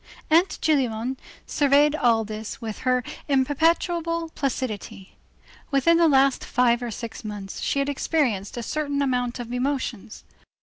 Aunt Gillenormand surveyed all this with her imperturbable placidity. Within the last five or six months she had experienced a certain amount of emotions.